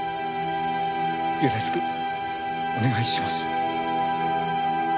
よろしくお願いします。